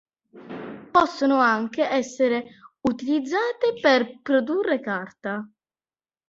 Possono anche essere utilizzate per produrre carta.